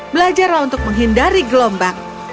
belajarlah untuk menghindari gelombang